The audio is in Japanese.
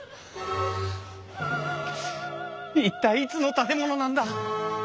一体いつの建物なんだ！